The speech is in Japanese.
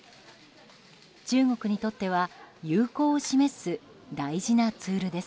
中国にとっては友好を示す大事なツールです。